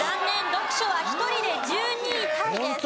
読書は１人で１２位タイです。